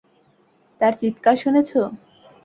তার চিৎকার শুনেছো?